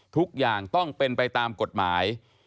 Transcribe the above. ทุกอย่างต้องเป็นไปตามกฎหมาย